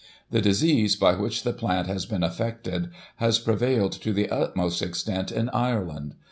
The disease by which the plant has been affected, has prevailed to the utmost extent in Ireland.